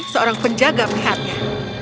seorang penjaga pihatnya